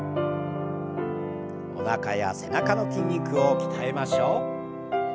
おなかや背中の筋肉を鍛えましょう。